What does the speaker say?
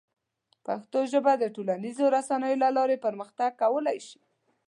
پښتو ژبه د ټولنیزو رسنیو له لارې پرمختګ کولی شي.